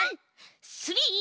スリー。